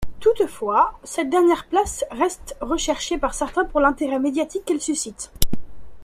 Toutefois, cette dernière place reste recherchée par certains pour l'intérêt médiatique qu'elle suscite.